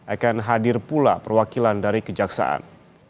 akan hadir pula perwakilan dari kejaksaan